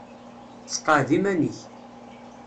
Seqɛed iman-ik.